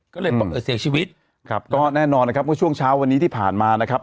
ก็เลยเสียชีวิตครับก็แน่นอนนะครับเมื่อช่วงเช้าวันนี้ที่ผ่านมานะครับ